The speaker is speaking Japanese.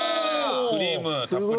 クリームたっぷり。